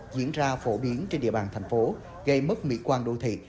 diễn ra phổ biến trên địa bàn thành phố gây mất mỹ quan đô thị